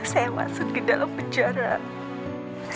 saya masuk ke dalam penjara